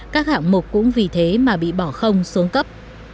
các hạng mục cũng vì thế mà bị bỏ không xuống cấp